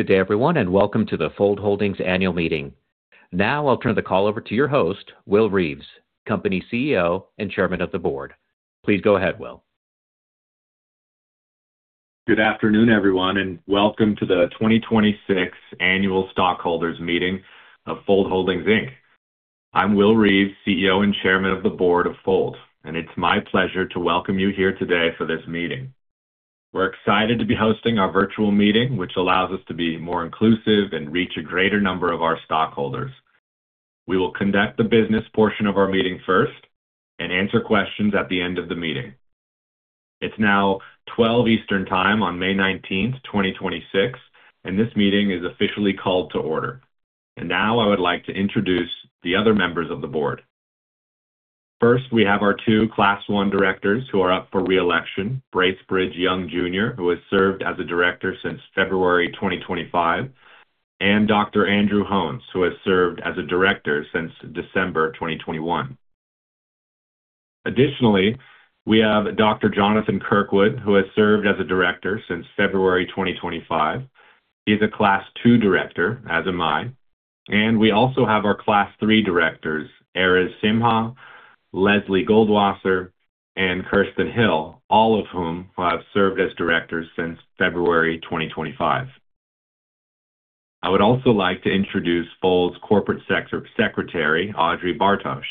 Good day, everyone, and welcome to the Fold Holdings annual meeting. Now I'll turn the call over to your host, Will Reeves, Company CEO and Chairman of the Board. Please go ahead, Will. Good afternoon, everyone, and welcome to the 2026 annual stockholders meeting of Fold Holdings, Inc. I'm Will Reeves, CEO and Chairman of the Board of Fold, and it's my pleasure to welcome you here today for this meeting. We're excited to be hosting our virtual meeting, which allows us to be more inclusive and reach a greater number of our stockholders. We will conduct the business portion of our meeting first and answer questions at the end of the meeting. It's now 12:00 P.M. Eastern Time on May 19, 2026, and this meeting is officially called to order. Now I would like to introduce the other members of the board. First, we have our two Class I directors who are up for re-election, Bracebridge H. Young Jr., who has served as a director since February 2025, and Andrew Hohns, who has served as a director since December 2021. We have Jonathan Kirkwood, who has served as a director since February 2025. He's a Class II director, as am I. We also have our Class III directors, Erez Simha, Lesley Goldwasser, and Kirstin Hill, all of whom have served as directors since February 2025. I would also like to introduce Fold's corporate secretary, Audrey Bartosh,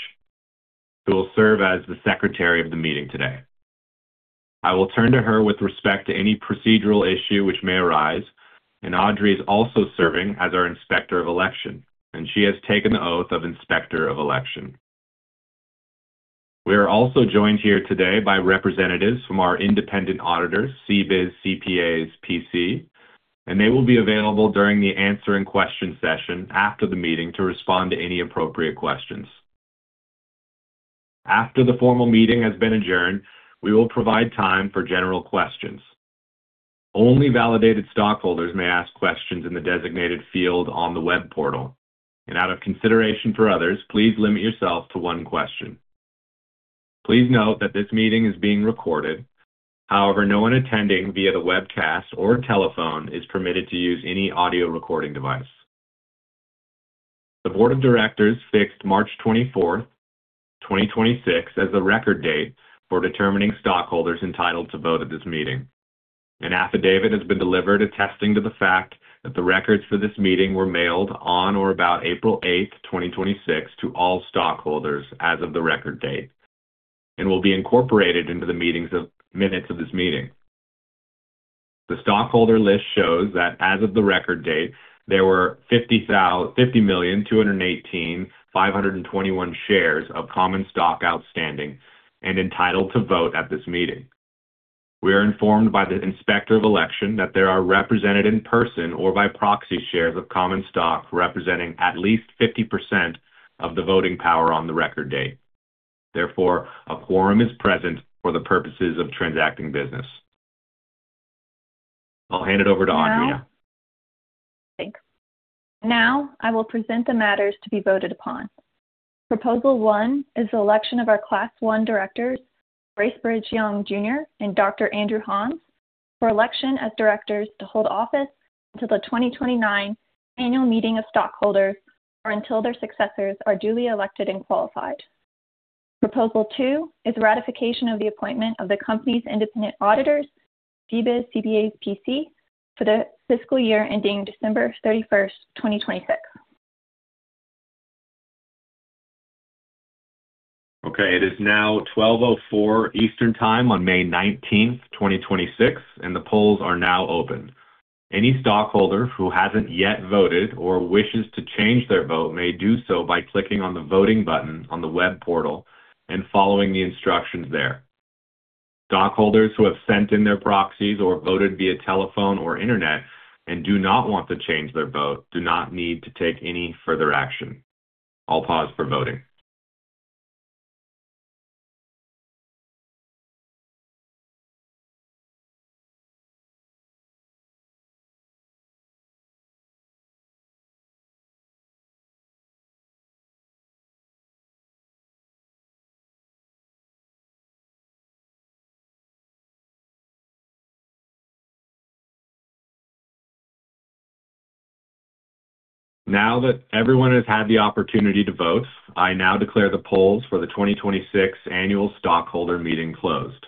who will serve as the secretary of the meeting today. I will turn to her with respect to any procedural issue, which may arise, Audrey is also serving as our inspector of election, she has taken the oath of inspector of election. We are also joined here today by representatives from our independent auditors, CBIZ CPAs P.C. They will be available during the answer and question session after the meeting to respond to any appropriate questions. After the formal meeting has been adjourned, we will provide time for general questions. Only validated stockholders may ask questions in the designated field on the web portal. Out of consideration for others, please limit yourself to one question. Please note that this meeting is being recorded. However, no one attending via the webcast or telephone is permitted to use any audio recording device. The board of directors fixed March 24th, 2026 as the record date for determining stockholders entitled to vote at this meeting. An affidavit has been delivered attesting to the fact that the records for this meeting were mailed on or about April 8, 2026 to all stockholders as of the record date and will be incorporated into the minutes of this meeting. The stockholder list shows that as of the record date, there were 50 million 218,521 shares of common stock outstanding and entitled to vote at this meeting. We are informed by the inspector of election that there are represented in person or by proxy shares of common stock representing at least 50% of the voting power on the record date. A quorum is present for the purposes of transacting business. I'll hand it over to Audrey now. Thanks. Now I will present the matters to be voted upon. Proposal 1 is the election of our Class I directors, Bracebridge Young Jr. and Andrew Hohns, for election as directors to hold office until the 2029 annual meeting of stockholders or until their successors are duly elected and qualified. Proposal 2 is ratification of the appointment of the company's independent auditors, CBIZ CPAs P.C., for the fiscal year ending December 31st, 2026. Okay. It is now 12:04 P.M. Eastern Time on May 19th, 2026, and the polls are now open. Any stockholder who hasn't yet voted or wishes to change their vote may do so by clicking on the voting button on the web portal and following the instructions there. Stockholders who have sent in their proxies or voted via telephone or internet and do not want to change their vote do not need to take any further action. I'll pause for voting. Now that everyone has had the opportunity to vote, I now declare the polls for the 2026 annual stockholder meeting closed.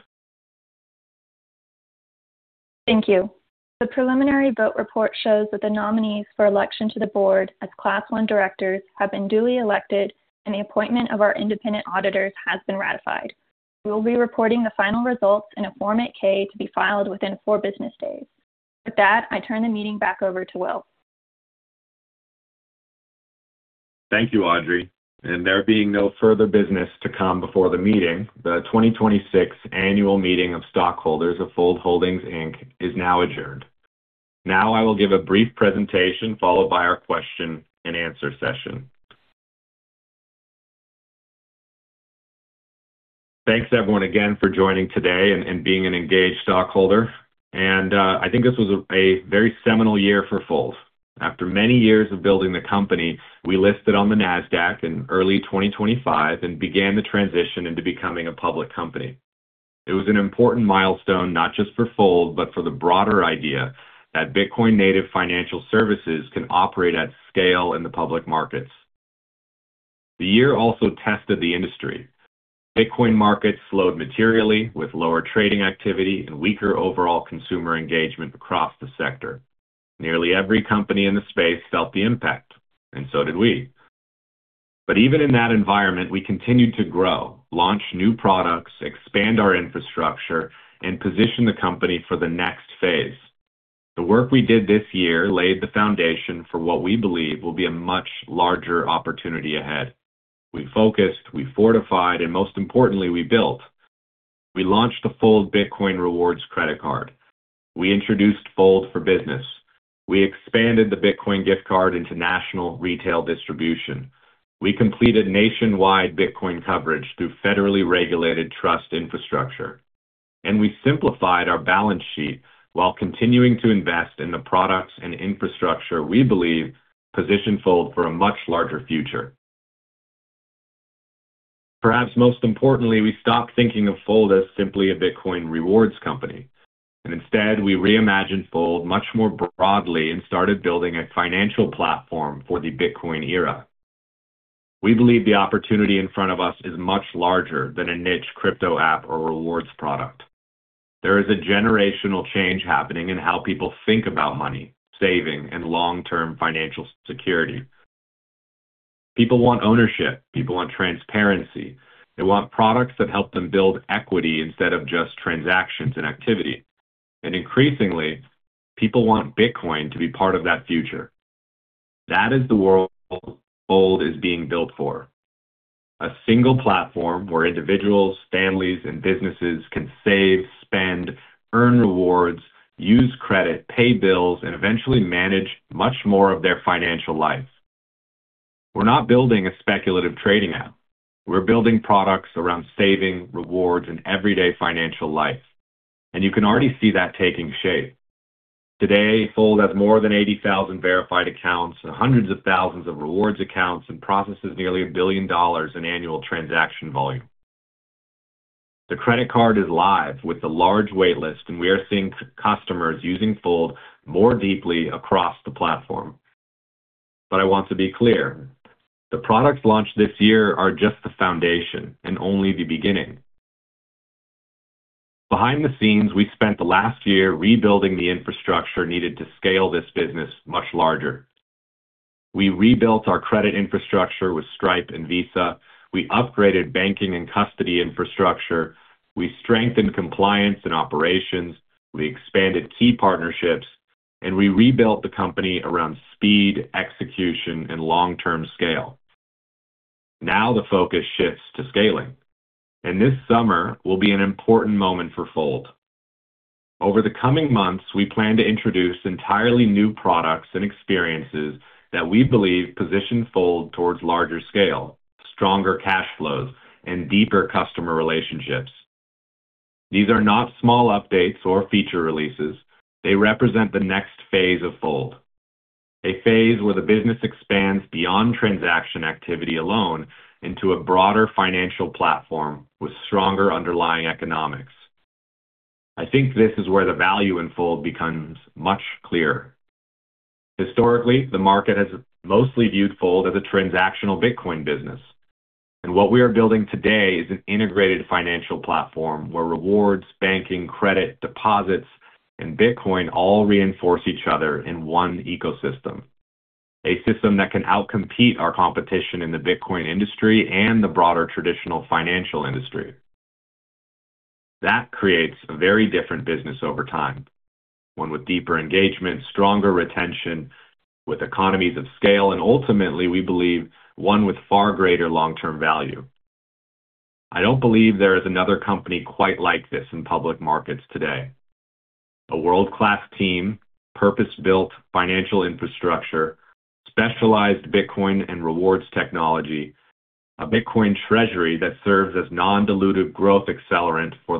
Thank you. The preliminary vote report shows that the nominees for election to the board as Class I directors have been duly elected and the appointment of our independent auditors has been ratified. We will be reporting the final results in a Form 8-K to be filed within four business days. With that, I turn the meeting back over to Will. Thank you, Audrey. There being no further business to come before the meeting, the 2026 annual meeting of stockholders of Fold Holdings, Inc. is now adjourned. Now I will give a brief presentation followed by our question and answer session. Thanks everyone again for joining today and being an engaged stockholder. I think this was a very seminal year for Fold. After many years of building the company, we listed on the Nasdaq in early 2025 and began the transition into becoming a public company. It was an important milestone, not just for Fold, but for the broader idea that Bitcoin native financial services can operate at scale in the public markets. The year also tested the industry. Bitcoin markets slowed materially with lower trading activity and weaker overall consumer engagement across the sector. Nearly every company in the space felt the impact. So did we. Even in that environment, we continued to grow, launch new products, expand our infrastructure, and position the company for the next phase. The work we did this year laid the foundation for what we believe will be a much larger opportunity ahead. We focused, we fortified, and most importantly, we built. We launched the Fold Bitcoin Credit Card. We introduced Fold Business. We expanded the Fold Bitcoin Gift Card into national retail distribution. We completed nationwide Bitcoin coverage through federally regulated trust infrastructure, and we simplified our balance sheet while continuing to invest in the products and infrastructure we believe position Fold for a much larger future. Perhaps most importantly, we stopped thinking of Fold as simply a Bitcoin rewards company. Instead, we reimagined Fold much more broadly and started building a financial platform for the Bitcoin era. We believe the opportunity in front of us is much larger than a niche crypto app or rewards product. There is a generational change happening in how people think about money, saving, and long-term financial security. People want ownership. People want transparency. They want products that help them build equity instead of just transactions and activity. Increasingly, people want Bitcoin to be part of that future. That is the world Fold is being built for. A single platform where individuals, families, and businesses can save, spend, earn rewards, use credit, pay bills, and eventually manage much more of their financial life. We're not building a speculative trading app. We're building products around saving, rewards, and everyday financial life, and you can already see that taking shape. Today, Fold has more than 80,000 verified accounts and hundreds of thousands of rewards accounts and processes nearly $1 billion in annual transaction volume. The credit card is live with a large wait list, and we are seeing customers using Fold more deeply across the platform. I want to be clear, the products launched this year are just the foundation and only the beginning. Behind the scenes, we spent the last year rebuilding the infrastructure needed to scale this business much larger. We rebuilt our credit infrastructure with Stripe and Visa. We upgraded banking and custody infrastructure. We strengthened compliance and operations. We expanded key partnerships, and we rebuilt the company around speed, execution, and long-term scale. Now the focus shifts to scaling. This summer will be an important moment for Fold. Over the coming months, we plan to introduce entirely new products and experiences that we believe position Fold towards larger scale, stronger cash flows, and deeper customer relationships. These are not small updates or feature releases. They represent the next phase of Fold. A phase where the business expands beyond transaction activity alone into a broader financial platform with stronger underlying economics. I think this is where the value in Fold becomes much clearer. Historically, the market has mostly viewed Fold as a transactional Bitcoin business. What we are building today is an integrated financial platform where rewards, banking, credit, deposits, and Bitcoin all reinforce each other in one ecosystem. A system that can outcompete our competition in the Bitcoin industry and the broader traditional financial industry. That creates a very different business over time. One with deeper engagement, stronger retention, with economies of scale, and ultimately, we believe, one with far greater long-term value. I don't believe there is another company quite like this in public markets today. A world-class team, purpose-built financial infrastructure, specialized Bitcoin and rewards technology, a Bitcoin treasury that serves as non-dilutive growth accelerant for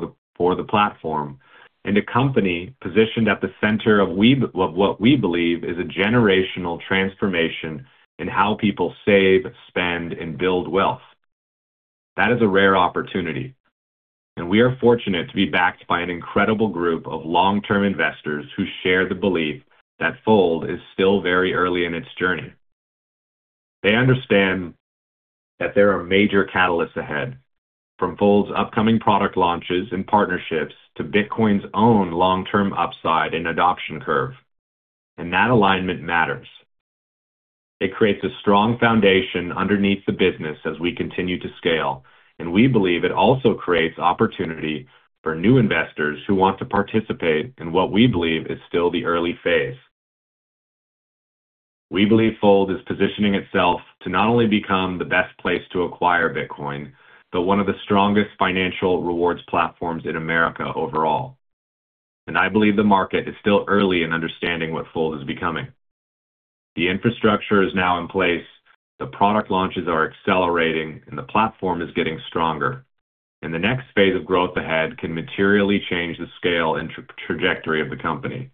the platform, and a company positioned at the center of what we believe is a generational transformation in how people save, spend, and build wealth. That is a rare opportunity, and we are fortunate to be backed by an incredible group of long-term investors who share the belief that Fold is still very early in its journey. They understand that there are major catalysts ahead, from Fold's upcoming product launches and partnerships to Bitcoin's own long-term upside and adoption curve, and that alignment matters. It creates a strong foundation underneath the business as we continue to scale, and we believe it also creates opportunity for new investors who want to participate in what we believe is still the early phase. We believe Fold is positioning itself to not only become the best place to acquire Bitcoin, but one of the strongest financial rewards platforms in America overall. I believe the market is still early in understanding what Fold is becoming. The infrastructure is now in place, the product launches are accelerating, and the platform is getting stronger. The next phase of growth ahead can materially change the scale and trajectory of the company.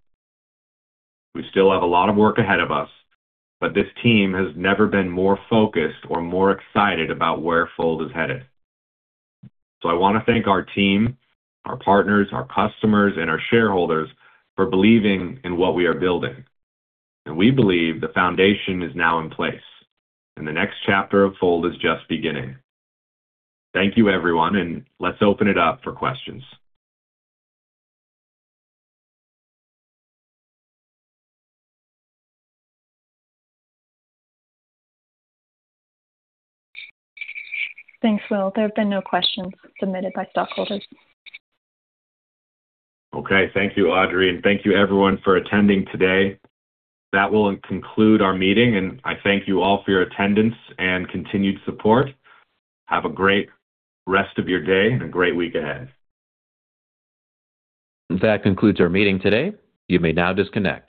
We still have a lot of work ahead of us. This team has never been more focused or more excited about where Fold is headed. I wanna thank our team, our partners, our customers, and our shareholders for believing in what we are building. We believe the foundation is now in place and the next chapter of Fold is just beginning. Thank you, everyone. Let's open it up for questions. Thanks, Will. There have been no questions submitted by stockholders. Okay. Thank you, Audrey, and thank you everyone for attending today. That will conclude our meeting, and I thank you all for your attendance and continued support. Have a great rest of your day and a great week ahead. That concludes our meeting today. You may now disconnect.